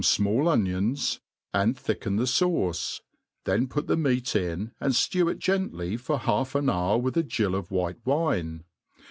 37 fmall onronS) and thicken the fauce ; then put the meat in, and &CW it gently for half an hour with a gill of white wine.